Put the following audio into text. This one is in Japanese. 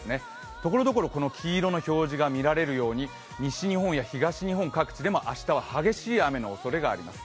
ところどころ、黄色の表示が見られるように、西日本や東日本各地でも明日は激しい雨のおそれがあります。